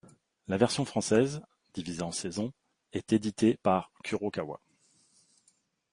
La version française, divisée en saisons, est éditée par Kurokawa.